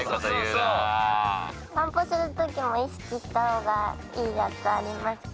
散歩する時も意識したほうがいいやつありますか？